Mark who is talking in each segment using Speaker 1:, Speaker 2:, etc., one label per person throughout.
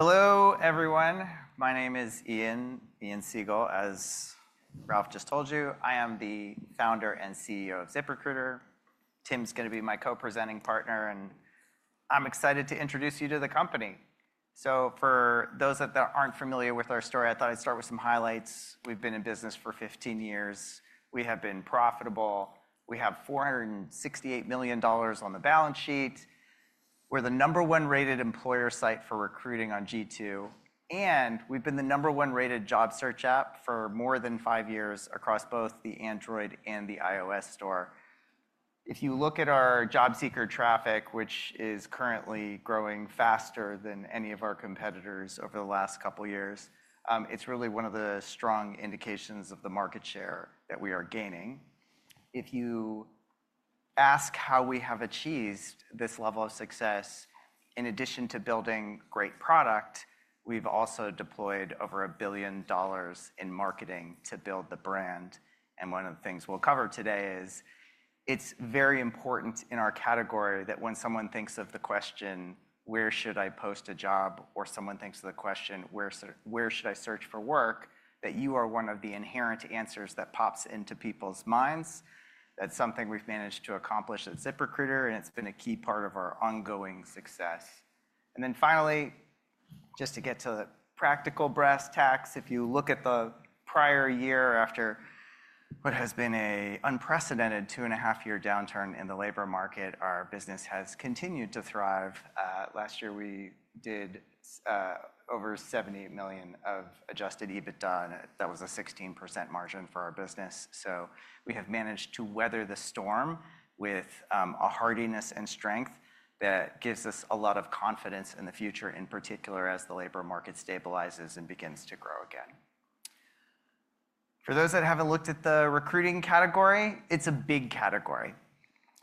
Speaker 1: Hello, everyone. My name is Ian, Ian Siegel. As Ralph just told you, I am the founder and CEO of ZipRecruiter. Tim's going to be my co-presenting partner, and I'm excited to introduce you to the company. For those that aren't familiar with our story, I thought I'd start with some highlights. We've been in business for 15 years. We have been profitable. We have $468 million on the balance sheet. We're the number one rated employer site for recruiting on G2, and we've been the number one rated job search app for more than five years across both the Android and the iOS store. If you look at our job seeker traffic, which is currently growing faster than any of our competitors over the last couple of years, it's really one of the strong indications of the market share that we are gaining. If you ask how we have achieved this level of success, in addition to building great product, we've also deployed over $1 billion in marketing to build the brand. One of the things we'll cover today is it's very important in our category that when someone thinks of the question, "Where should I post a job?" or someone thinks of the question, "Where should I search for work?" that you are one of the inherent answers that pops into people's minds. That's something we've managed to accomplish at ZipRecruiter, and it's been a key part of our ongoing success. Finally, just to get to the practical brass tacks, if you look at the prior year after what has been an unprecedented two and a half year downturn in the labor market, our business has continued to thrive. Last year, we did over $78 million of adjusted EBITDA. That was a 16% margin for our business. We have managed to weather the storm with a hardiness and strength that gives us a lot of confidence in the future, in particular as the labor market stabilizes and begins to grow again. For those that have not looked at the recruiting category, it is a big category.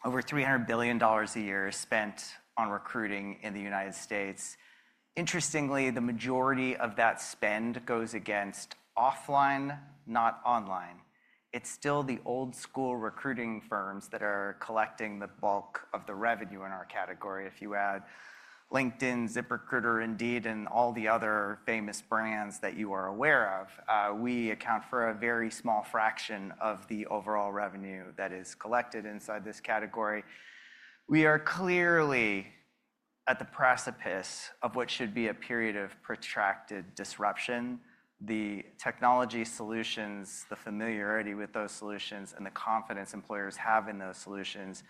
Speaker 1: Over $300 billion a year spent on recruiting in the United States. Interestingly, the majority of that spend goes against offline, not online. It is still the old school recruiting firms that are collecting the bulk of the revenue in our category. If you add LinkedIn, ZipRecruiter, Indeed, and all the other famous brands that you are aware of, we account for a very small fraction of the overall revenue that is collected inside this category. We are clearly at the precipice of what should be a period of protracted disruption. The technology solutions, the familiarity with those solutions, and the confidence employers have in those solutions,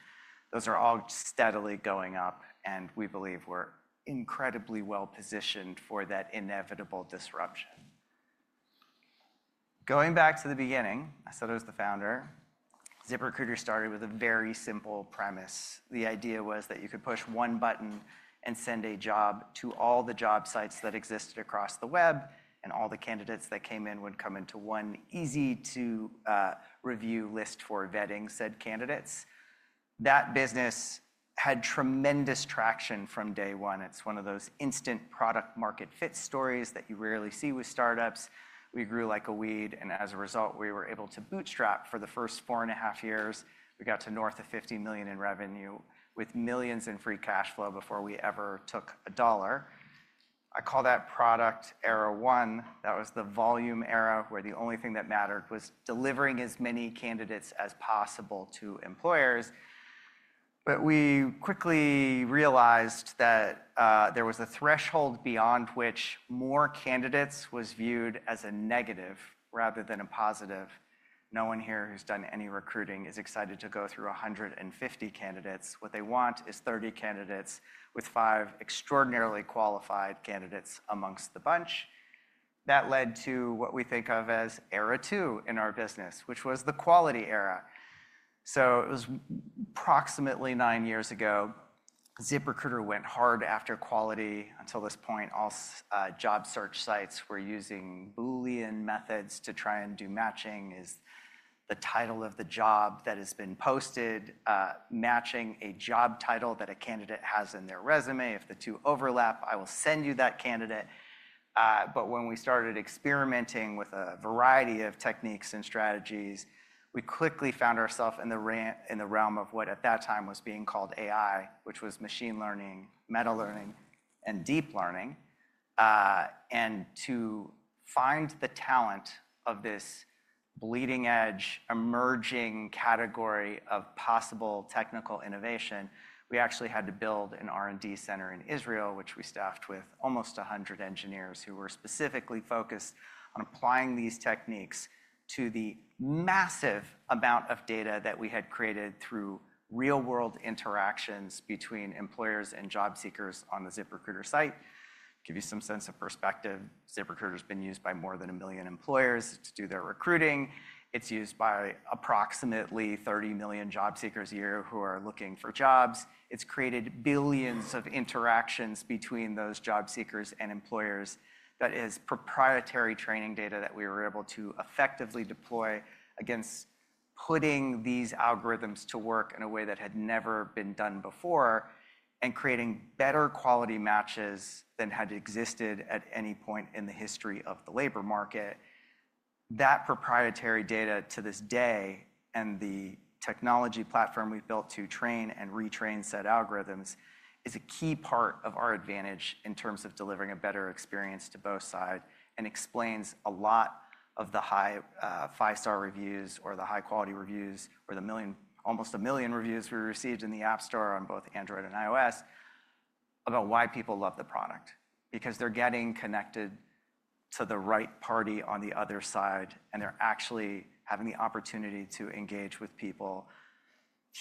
Speaker 1: those are all steadily going up, and we believe we're incredibly well positioned for that inevitable disruption. Going back to the beginning, I said I was the founder. ZipRecruiter started with a very simple premise. The idea was that you could push one button and send a job to all the job sites that existed across the web, and all the candidates that came in would come into one easy-to-review list for vetting said candidates. That business had tremendous traction from day one. It's one of those instant product-market fit stories that you rarely see with startups. We grew like a weed, and as a result, we were able to bootstrap for the first four and a half years. We got to north of $50 million in revenue with millions in free cash flow before we ever took a dollar. I call that product era one. That was the volume era where the only thing that mattered was delivering as many candidates as possible to employers. We quickly realized that there was a threshold beyond which more candidates was viewed as a negative rather than a positive. No one here who's done any recruiting is excited to go through 150 candidates. What they want is 30 candidates with five extraordinarily qualified candidates amongst the bunch. That led to what we think of as era two in our business, which was the quality era. It was approximately nine years ago. ZipRecruiter went hard after quality. Until this point, all job search sites were using Boolean methods to try and do matching. Is the title of the job that has been posted matching a job title that a candidate has in their resume? If the two overlap, I will send you that candidate. When we started experimenting with a variety of techniques and strategies, we quickly found ourselves in the realm of what at that time was being called AI, which was machine learning, meta learning, and deep learning. To find the talent of this bleeding edge, emerging category of possible technical innovation, we actually had to build an R&D center in Israel, which we staffed with almost 100 engineers who were specifically focused on applying these techniques to the massive amount of data that we had created through real-world interactions between employers and job seekers on the ZipRecruiter site. To give you some sense of perspective, ZipRecruiter has been used by more than a million employers to do their recruiting. It's used by approximately 30 million job seekers a year who are looking for jobs. It's created billions of interactions between those job seekers and employers. That is proprietary training data that we were able to effectively deploy against putting these algorithms to work in a way that had never been done before and creating better quality matches than had existed at any point in the history of the labor market. That proprietary data to this day and the technology platform we've built to train and retrain said algorithms is a key part of our advantage in terms of delivering a better experience to both sides and explains a lot of the high five-star reviews or the high-quality reviews or the million, almost a million reviews we received in the App Store on both Android and iOS about why people love the product. Because they're getting connected to the right party on the other side, and they're actually having the opportunity to engage with people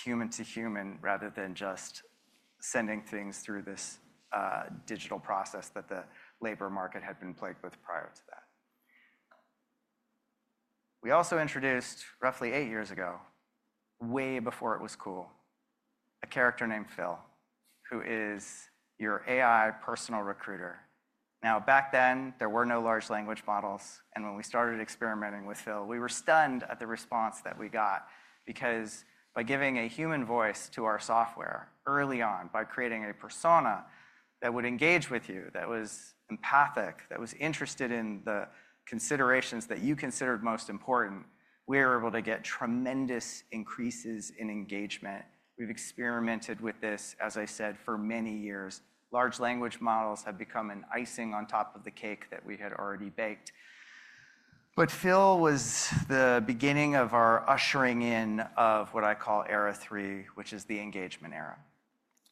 Speaker 1: human to human rather than just sending things through this digital process that the labor market had been plagued with prior to that. We also introduced roughly eight years ago, way before it was cool, a character named Phil, who is your AI personal recruiter. Now, back then, there were no large language models, and when we started experimenting with Phil, we were stunned at the response that we got because by giving a human voice to our software early on, by creating a persona that would engage with you, that was empathic, that was interested in the considerations that you considered most important, we were able to get tremendous increases in engagement. We've experimented with this, as I said, for many years. Large language models have become an icing on top of the cake that we had already baked. Phil was the beginning of our ushering in of what I call era three, which is the engagement era.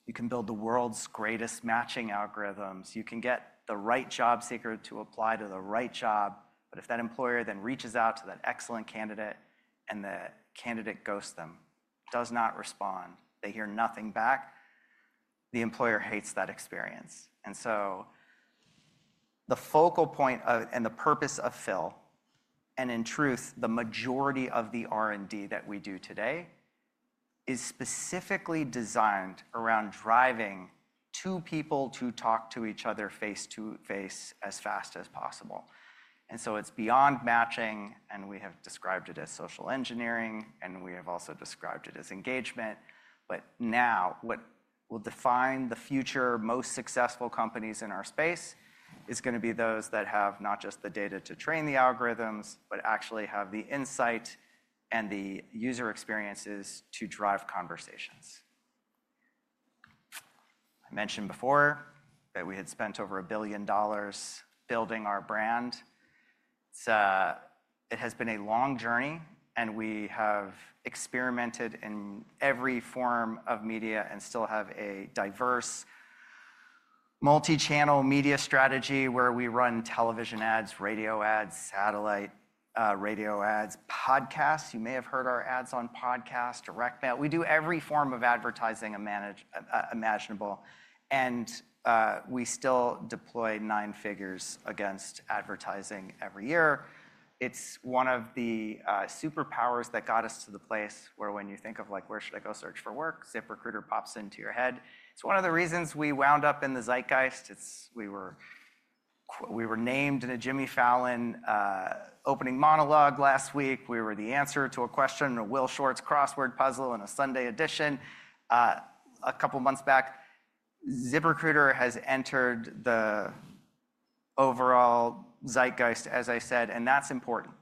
Speaker 1: You can build the world's greatest matching algorithms. You can get the right job seeker to apply to the right job, but if that employer then reaches out to that excellent candidate and the candidate ghosts them, does not respond, they hear nothing back, the employer hates that experience. The focal point and the purpose of Phil, and in truth, the majority of the R&D that we do today is specifically designed around driving two people to talk to each other face to face as fast as possible. It is beyond matching, and we have described it as social engineering, and we have also described it as engagement. Now what will define the future most successful companies in our space is going to be those that have not just the data to train the algorithms, but actually have the insight and the user experiences to drive conversations. I mentioned before that we had spent over $1 billion building our brand. It has been a long journey, and we have experimented in every form of media and still have a diverse multi-channel media strategy where we run television ads, radio ads, satellite radio ads, podcasts. You may have heard our ads on podcast, direct mail. We do every form of advertising imaginable, and we still deploy nine figures against advertising every year. It's one of the superpowers that got us to the place where when you think of like, "Where should I go search for work?" ZipRecruiter pops into your head. It's one of the reasons we wound up in the zeitgeist. We were named in a Jimmy Fallon opening monologue last week. We were the answer to a question in a Will Shortz crossword puzzle in a Sunday edition a couple of months back. ZipRecruiter has entered the overall zeitgeist, as I said, and that's important.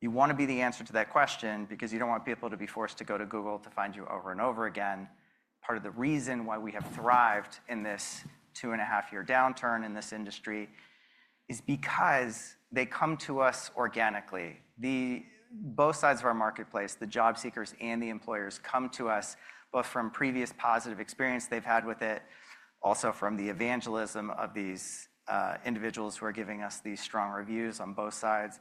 Speaker 1: You want to be the answer to that question because you don't want people to be forced to go to Google to find you over and over again. Part of the reason why we have thrived in this two and a half year downturn in this industry is because they come to us organically. Both sides of our marketplace, the job seekers and the employers, come to us both from previous positive experience they've had with it, also from the evangelism of these individuals who are giving us these strong reviews on both sides,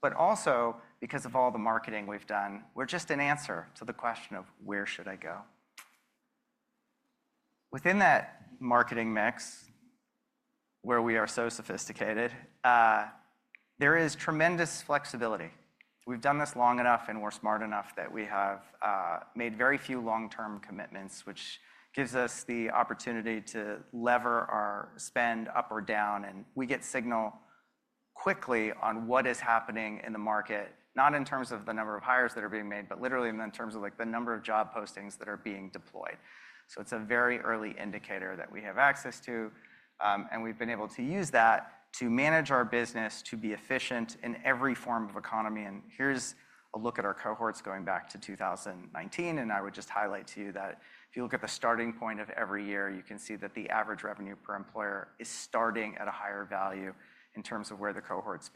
Speaker 1: but also because of all the marketing we've done, we're just an answer to the question of, "Where should I go?" Within that marketing mix, where we are so sophisticated, there is tremendous flexibility. We've done this long enough and we're smart enough that we have made very few long-term commitments, which gives us the opportunity to lever our spend up or down, and we get signal quickly on what is happening in the market, not in terms of the number of hires that are being made, but literally in terms of the number of job postings that are being deployed. It is a very early indicator that we have access to, and we've been able to use that to manage our business, to be efficient in every form of economy. Here is a look at our cohorts going back to 2019, and I would just highlight to you that if you look at the starting point of every year, you can see that the average revenue per employer is starting at a higher value in terms of where the cohorts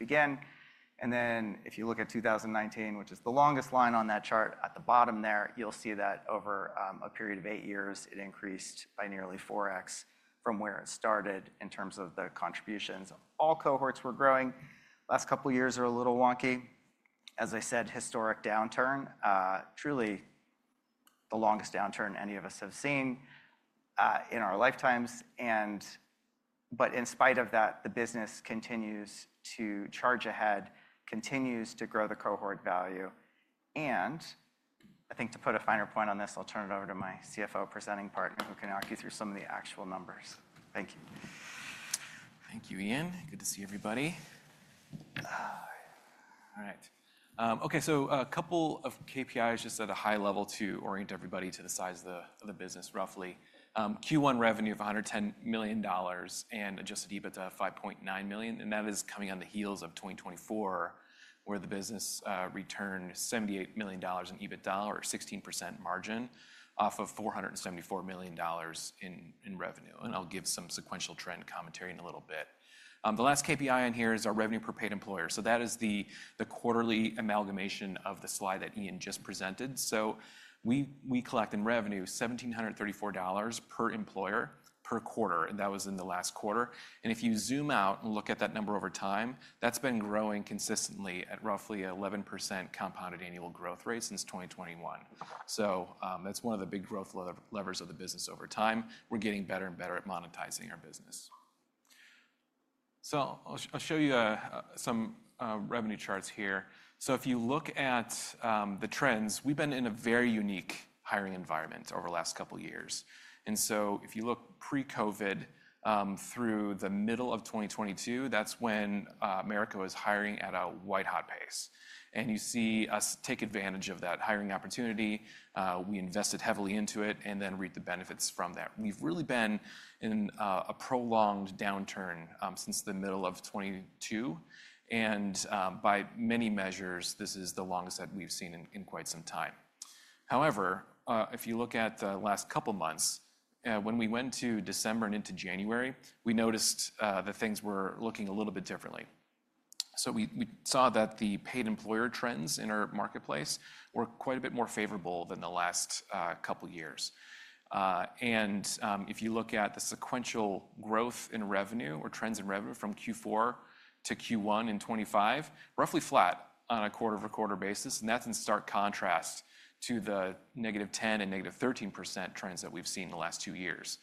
Speaker 1: began. If you look at 2019, which is the longest line on that chart at the bottom there, you'll see that over a period of eight years, it increased by nearly 4x from where it started in terms of the contributions. All cohorts were growing. The last couple of years are a little wonky. As I said, historic downturn, truly the longest downturn any of us have seen in our lifetimes. In spite of that, the business continues to charge ahead, continues to grow the cohort value. I think to put a finer point on this, I'll turn it over to my CFO presenting partner who can knock you through some of the actual numbers. Thank you.
Speaker 2: Thank you, Ian. Good to see everybody. All right. Okay, a couple of KPIs just at a high level to orient everybody to the size of the business roughly. Q1 revenue of $110 million and adjusted EBITDA of $5.9 million. That is coming on the heels of 2024, where the business returned $78 million in EBITDA or a 16% margin off of $474 million in revenue. I'll give some sequential trend commentary in a little bit. The last KPI on here is our revenue per paid employer. That is the quarterly amalgamation of the slide that Ian just presented. We collect in revenue $1,734 per employer per quarter, and that was in the last quarter. If you zoom out and look at that number over time, that's been growing consistently at roughly an 11% compounded annual growth rate since 2021. That's one of the big growth levers of the business over time. We're getting better and better at monetizing our business. I'll show you some revenue charts here. If you look at the trends, we've been in a very unique hiring environment over the last couple of years. If you look pre-COVID through the middle of 2022, that's when America was hiring at a white-hot pace. You see us take advantage of that hiring opportunity. We invested heavily into it and then reaped the benefits from that. We've really been in a prolonged downturn since the middle of 2022. By many measures, this is the longest that we've seen in quite some time. However, if you look at the last couple of months, when we went to December and into January, we noticed that things were looking a little bit differently. We saw that the paid employer trends in our marketplace were quite a bit more favorable than the last couple of years. If you look at the sequential growth in revenue or trends in revenue from Q4 to Q1 in 2025, roughly flat on a quarter-over-quarter basis. That is in stark contrast to the negative 10% and negative 13% trends that we have seen in the last two years.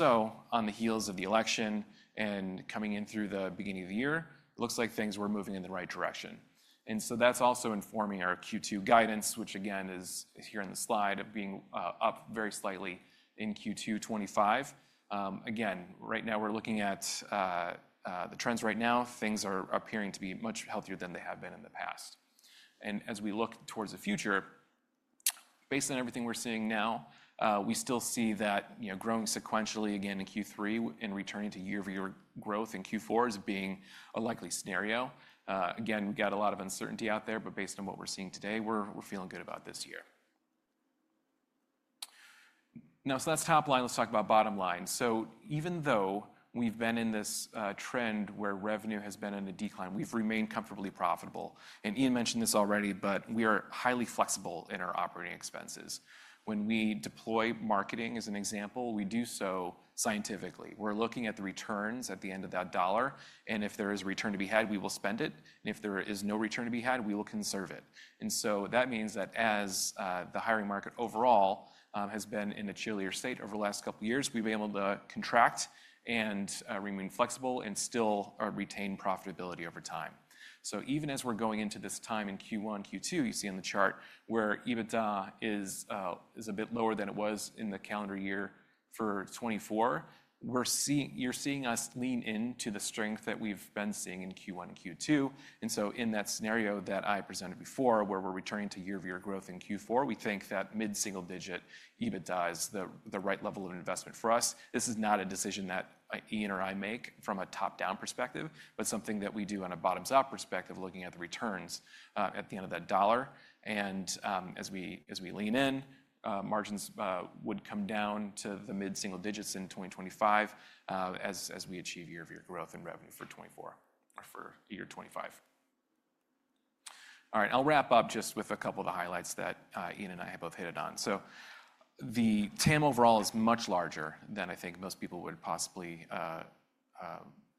Speaker 2: On the heels of the election and coming in through the beginning of the year, it looks like things were moving in the right direction. That is also informing our Q2 guidance, which again is here in the slide of being up very slightly in Q2 2025. Right now we are looking at the trends right now. Things are appearing to be much healthier than they have been in the past. As we look towards the future, based on everything we're seeing now, we still see that growing sequentially again in Q3 and returning to year-over-year growth in Q4 as being a likely scenario. Again, we've got a lot of uncertainty out there, but based on what we're seeing today, we're feeling good about this year. Now, that's top line. Let's talk about bottom line. Even though we've been in this trend where revenue has been in a decline, we've remained comfortably profitable. Ian mentioned this already, but we are highly flexible in our operating expenses. When we deploy marketing as an example, we do so scientifically. We're looking at the returns at the end of that dollar. If there is a return to be had, we will spend it. If there is no return to be had, we will conserve it. That means that as the hiring market overall has been in a chillier state over the last couple of years, we've been able to contract and remain flexible and still retain profitability over time. Even as we're going into this time in Q1, Q2, you see on the chart where EBITDA is a bit lower than it was in the calendar year for 2024, you're seeing us lean into the strength that we've been seeing in Q1 and Q2. In that scenario that I presented before, where we're returning to year-over-year growth in Q4, we think that mid-single-digit EBITDA is the right level of investment for us. This is not a decision that Ian or I make from a top-down perspective, but something that we do on a bottoms-up perspective, looking at the returns at the end of that dollar. As we lean in, margins would come down to the mid-single digits in 2025 as we achieve year-over-year growth in revenue for 2024 or for year 2025. All right, I'll wrap up just with a couple of the highlights that Ian and I have both hinted on. The TAM overall is much larger than I think most people would possibly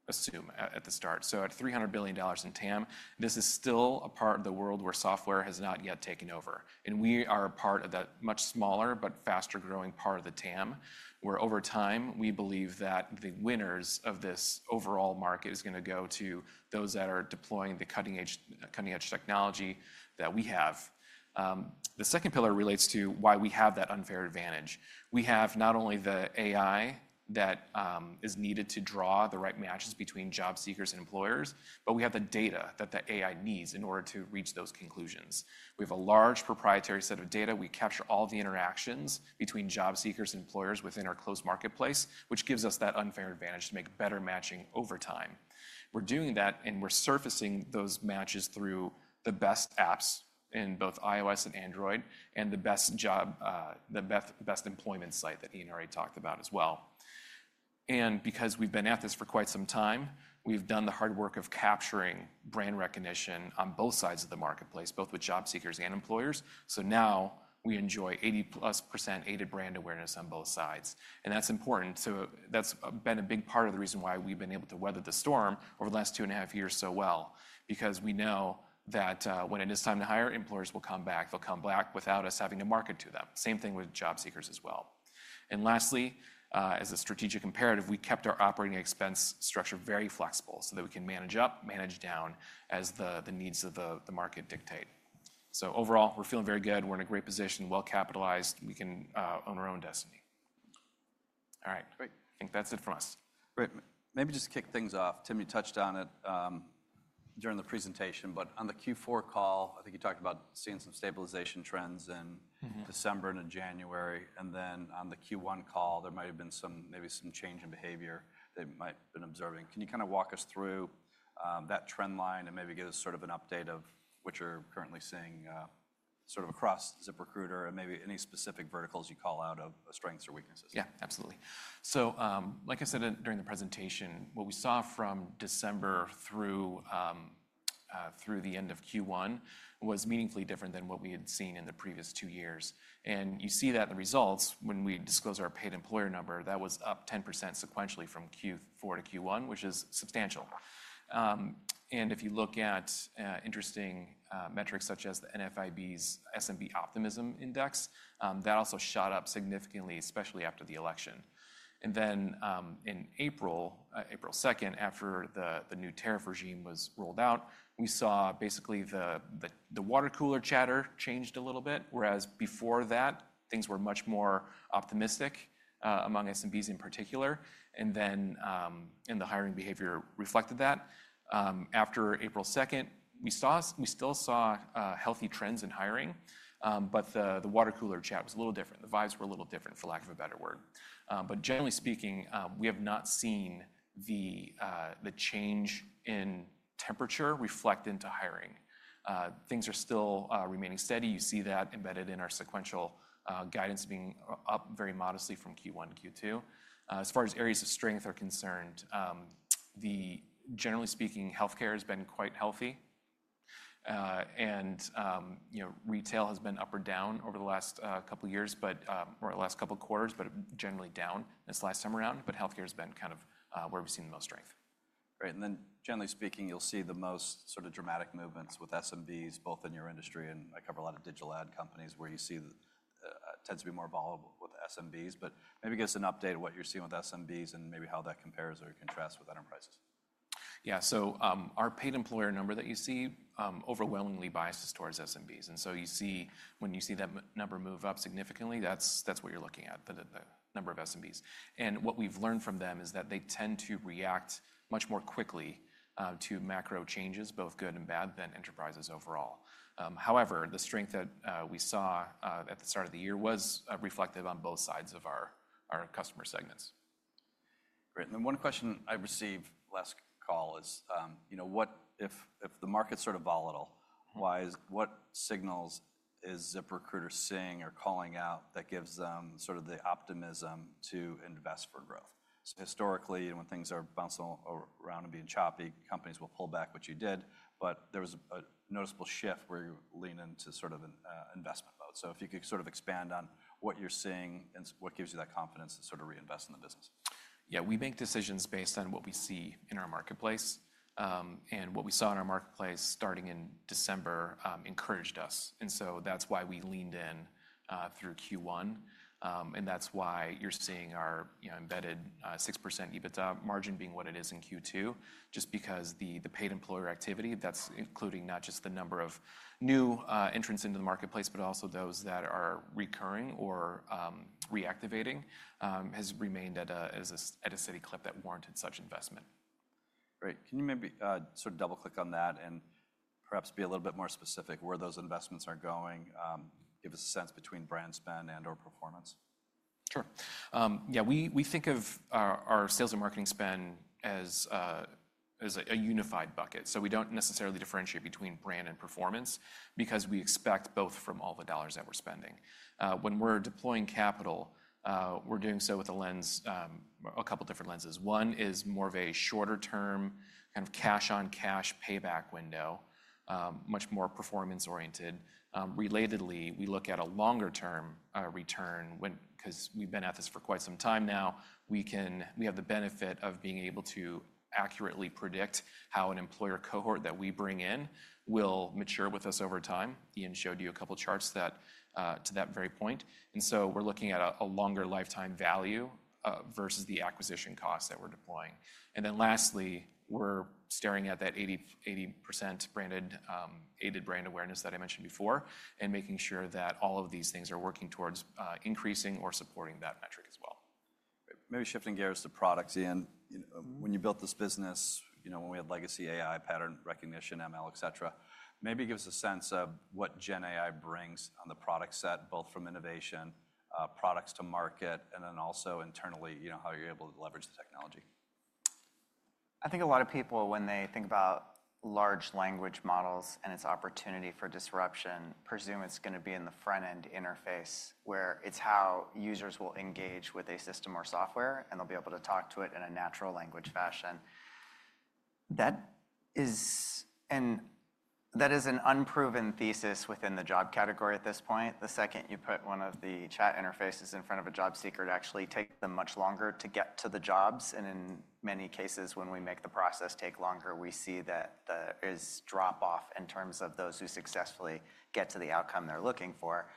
Speaker 2: assume at the start. At $300 billion in TAM, this is still a part of the world where software has not yet taken over. We are a part of that much smaller but faster-growing part of the TAM, where over time we believe that the winners of this overall market are going to go to those that are deploying the cutting-edge technology that we have. The second pillar relates to why we have that unfair advantage. We have not only the AI that is needed to draw the right matches between job seekers and employers, but we have the data that the AI needs in order to reach those conclusions. We have a large proprietary set of data. We capture all the interactions between job seekers and employers within our closed marketplace, which gives us that unfair advantage to make better matching over time. We're doing that, and we're surfacing those matches through the best apps in both iOS and Android and the best employment site that Ian already talked about as well. Because we've been at this for quite some time, we've done the hard work of capturing brand recognition on both sides of the marketplace, both with job seekers and employers. Now we enjoy 80+% aided brand awareness on both sides. That's important. That's been a big part of the reason why we've been able to weather the storm over the last two and a half years so well, because we know that when it is time to hire, employers will come back. They'll come back without us having to market to them. Same thing with job seekers as well. Lastly, as a strategic imperative, we kept our operating expense structure very flexible so that we can manage up, manage down as the needs of the market dictate. Overall, we're feeling very good. We're in a great position, well capitalized. We can own our own destiny. All right, great. I think that's it from us. Great. Maybe just to kick things off, Tim, you touched on it during the presentation, but on the Q4 call, I think you talked about seeing some stabilization trends in December and in January. On the Q1 call, there might have been maybe some change in behavior that you might have been observing. Can you kind of walk us through that trend line and maybe give us sort of an update of what you're currently seeing sort of across ZipRecruiter and maybe any specific verticals you call out of strengths or weaknesses? Yeah, absolutely. Like I said during the presentation, what we saw from December through the end of Q1 was meaningfully different than what we had seen in the previous two years. You see that in the results when we disclosed our paid employer number, that was up 10% sequentially from Q4 to Q1, which is substantial. If you look at interesting metrics such as the NFIB's S&B Optimism Index, that also shot up significantly, especially after the election. In April, April 2nd, after the new tariff regime was rolled out, we saw basically the water cooler chatter changed a little bit, whereas before that, things were much more optimistic among S&Bs in particular. The hiring behavior reflected that. After April 2nd, we still saw healthy trends in hiring, but the water cooler chat was a little different. The vibes were a little different, for lack of a better word. Generally speaking, we have not seen the change in temperature reflect into hiring. Things are still remaining steady. You see that embedded in our sequential guidance being up very modestly from Q1 to Q2. As far as areas of strength are concerned, generally speaking, healthcare has been quite healthy. Retail has been up or down over the last couple of years or last couple of quarters, but generally down this last time around. Healthcare has been kind of where we've seen the most strength. Great. Generally speaking, you'll see the most sort of dramatic movements with S&Bs, both in your industry and I cover a lot of digital ad companies where you see it tends to be more volatile with S&Bs. Maybe give us an update of what you're seeing with S&Bs and maybe how that compares or contrasts with enterprises. Yeah, our paid employer number that you see overwhelmingly biased is towards S&Bs. When you see that number move up significantly, that's what you're looking at, the number of S&Bs. What we've learned from them is that they tend to react much more quickly to macro changes, both good and bad, than enterprises overall. However, the strength that we saw at the start of the year was reflective on both sides of our customer segments. Great. One question I received last call is, what if the market's sort of volatile, what signals is ZipRecruiter seeing or calling out that gives them sort of the optimism to invest for growth? Historically, when things are bouncing around and being choppy, companies will pull back what you did. There was a noticeable shift where you lean into sort of an investment mode. If you could sort of expand on what you're seeing and what gives you that confidence to sort of reinvest in the business. Yeah, we make decisions based on what we see in our marketplace. What we saw in our marketplace starting in December encouraged us. That's why we leaned in through Q1. That is why you're seeing our embedded 6% EBITDA margin being what it is in Q2, just because the paid employer activity, that is including not just the number of new entrants into the marketplace, but also those that are recurring or reactivating, has remained at a steady clip that warranted such investment. Great. Can you maybe sort of double-click on that and perhaps be a little bit more specific where those investments are going, give us a sense between brand spend and/or performance? Sure. Yeah, we think of our sales and marketing spend as a unified bucket. We do not necessarily differentiate between brand and performance because we expect both from all the dollars that we are spending. When we are deploying capital, we are doing so with a couple of different lenses. One is more of a shorter-term kind of cash-on-cash payback window, much more performance-oriented. Relatedly, we look at a longer-term return because we've been at this for quite some time now. We have the benefit of being able to accurately predict how an employer cohort that we bring in will mature with us over time. Ian showed you a couple of charts to that very point. We are looking at a longer lifetime value versus the acquisition costs that we're deploying. Lastly, we're staring at that 80% aided brand awareness that I mentioned before and making sure that all of these things are working towards increasing or supporting that metric as well. Maybe shifting gears to products, Ian. When you built this business, when we had legacy AI pattern recognition, ML, etc., maybe give us a sense of what Gen AI brings on the product set, both from innovation, products to market, and then also internally, how you're able to leverage the technology.
Speaker 1: I think a lot of people, when they think about large language models and its opportunity for disruption, presume it's going to be in the front-end interface where it's how users will engage with a system or software, and they'll be able to talk to it in a natural language fashion. That is an unproven thesis within the job category at this point. The second you put one of the chat interfaces in front of a job seeker, it actually takes them much longer to get to the jobs. In many cases, when we make the process take longer, we see that there is drop-off in terms of those who successfully get to the outcome they're looking for.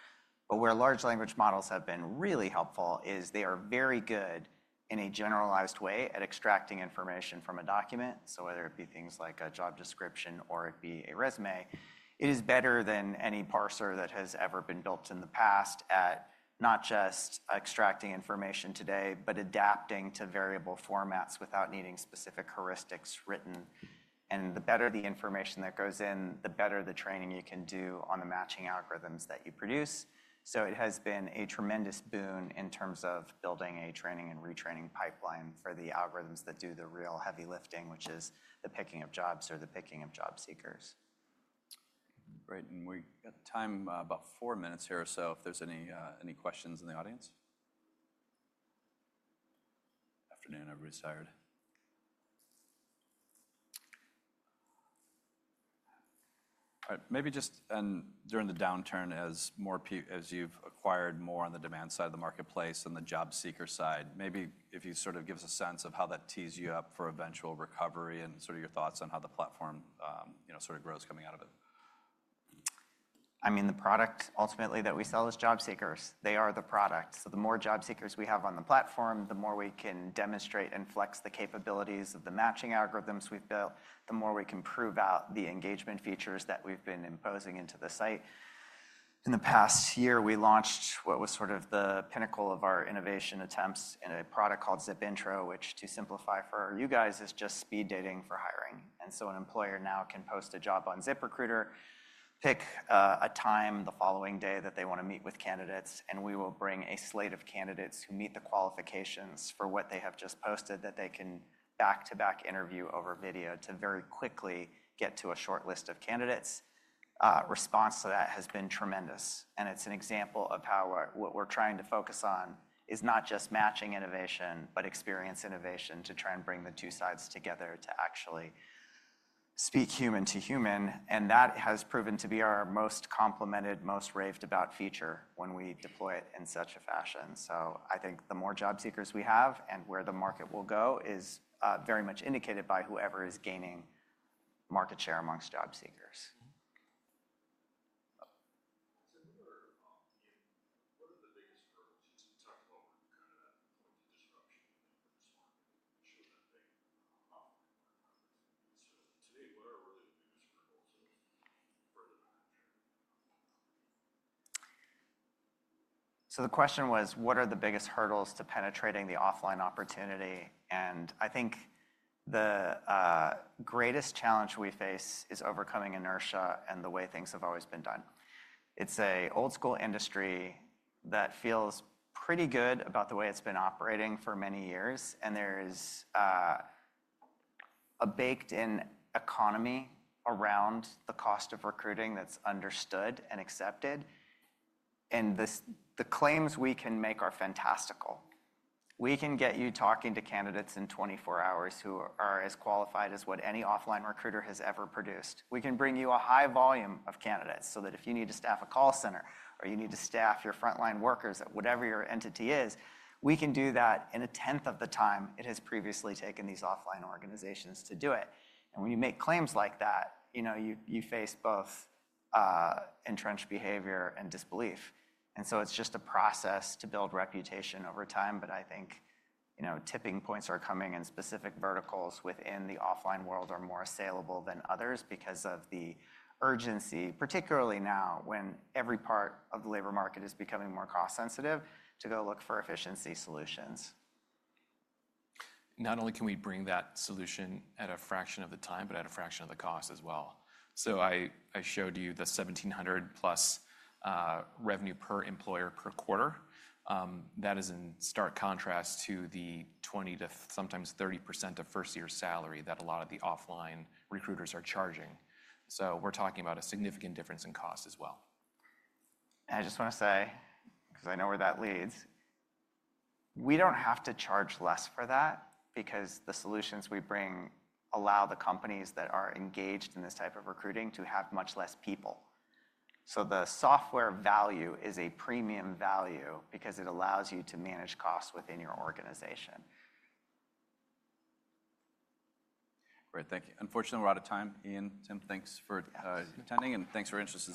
Speaker 1: Where large language models have been really helpful is they are very good in a generalized way at extracting information from a document. Whether it be things like a job description or it be a resume, it is better than any parser that has ever been built in the past at not just extracting information today, but adapting to variable formats without needing specific heuristics written. The better the information that goes in, the better the training you can do on the matching algorithms that you produce. It has been a tremendous boon in terms of building a training and retraining pipeline for the algorithms that do the real heavy lifting, which is the picking of jobs or the picking of job seekers. Great. We have time, about four minutes here or so, if there are any questions in the audience. Afternoon, everybody's tired. All right, maybe just during the downturn, as you have acquired more on the demand side of the marketplace and the job seeker side, maybe if you sort of give us a sense of how that tees you up for eventual recovery and sort of your thoughts on how the platform sort of grows coming out of it. I mean, the product ultimately that we sell is job seekers. They are the product. The more job seekers we have on the platform, the more we can demonstrate and flex the capabilities of the matching algorithms we've built, the more we can prove out the engagement features that we've been imposing into the site. In the past year, we launched what was sort of the pinnacle of our innovation attempts in a product called ZipIntro, which to simplify for you guys is just speed dating for hiring. An employer now can post a job on ZipRecruiter, pick a time the following day that they want to meet with candidates, and we will bring a slate of candidates who meet the qualifications for what they have just posted that they can back-to-back interview over video to very quickly get to a short list of candidates. Response to that has been tremendous. It's an example of how what we're trying to focus on is not just matching innovation, but experience innovation to try and bring the two sides together to actually speak human to human. That has proven to be our most complimented, most raved about feature when we deploy it in such a fashion. I think the more job seekers we have and where the market will go is very much indicated by whoever is gaining market share amongst job seekers. Tim, what are the biggest hurdles? You talked about kind of that point of disruption within your response. You showed that big problem in the online market. To me, what are really the biggest hurdles to further the market share?
Speaker 2: The question was, what are the biggest hurdles to penetrating the offline opportunity? I think the greatest challenge we face is overcoming inertia and the way things have always been done. It is an old-school industry that feels pretty good about the way it has been operating for many years. There is a baked-in economy around the cost of recruiting that is understood and accepted. The claims we can make are fantastical. We can get you talking to candidates in 24 hours who are as qualified as what any offline recruiter has ever produced. We can bring you a high volume of candidates so that if you need to staff a call center or you need to staff your frontline workers at whatever your entity is, we can do that in a tenth of the time it has previously taken these offline organizations to do it. When you make claims like that, you face both entrenched behavior and disbelief. It is just a process to build reputation over time. I think tipping points are coming in specific verticals within the offline world that are more saleable than others because of the urgency, particularly now when every part of the labor market is becoming more cost-sensitive to go look for efficiency solutions.
Speaker 1: Not only can we bring that solution at a fraction of the time, but at a fraction of the cost as well. I showed you the $1,700-plus revenue per employer per quarter. That is in stark contrast to the 20% to sometimes 30% of first-year salary that a lot of the offline recruiters are charging. We are talking about a significant difference in cost as well.
Speaker 2: I just want to say, because I know where that leads, we do not have to charge less for that because the solutions we bring allow the companies that are engaged in this type of recruiting to have much less people. The software value is a premium value because it allows you to manage costs within your organization. Great. Thank you. Unfortunately, we are out of time. Ian, Tim, thanks for attending. And thanks for interesting.